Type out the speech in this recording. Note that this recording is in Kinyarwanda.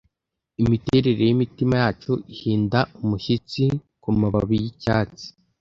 imiterere yimitima yacu ihinda umushyitsi kumababi yicyatsi